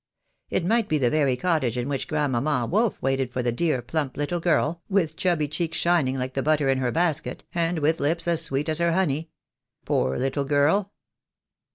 It might be the very cottage in which Grandmamma Wolf waited for the dear, plump little girl, with chubby cheeks shining like the butter in her basket, and with lips as sweet as her honey. Poor little girl!"